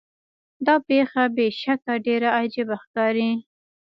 دا پیښه بې شکه ډیره عجیبه ښکاري.